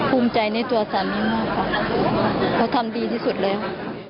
ภูมิใจในตัวสามีมากค่ะเขาทำดีที่สุดแล้ว